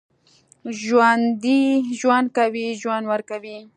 ژوندي ژوند کوي، ژوند ورکوي